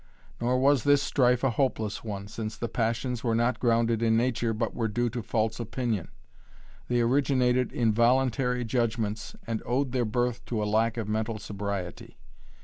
Nor was this strife a hopeless one, since the passions were not grounded in nature, but were due to false opinion. They originated in voluntary judgements, and owed their birth to a lack of mental sobriety.